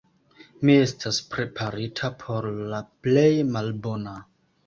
Mi estas preparita por la plej malbona.